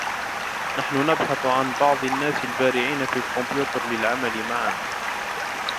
نحن نبحث عن بعض الناس البارعين في الكمبيوتر للعمل معنا.